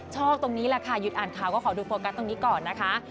ตรงนี้แหละค่ะหยุดอ่านข่าวก็ขอดูโฟกัสตรงนี้ก่อนนะคะ